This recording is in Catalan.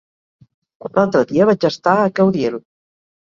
L'altre dia vaig estar a Caudiel.